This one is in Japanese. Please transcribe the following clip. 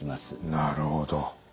なるほど。